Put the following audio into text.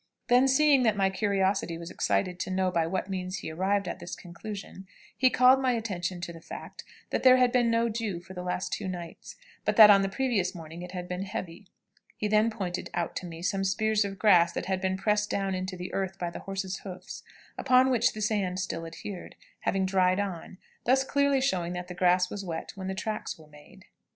Then, seeing that my curiosity was excited to know by what means he arrived at this conclusion, he called my attention to the fact that there had been no dew for the last two nights, but that on the previous morning it had been heavy. He then pointed out to me some spears of grass that had been pressed down into the earth by the horses' hoofs, upon which the sand still adhered, having dried on, thus clearly showing that the grass was wet when the tracks were made.